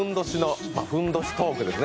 ふんどしトークですね。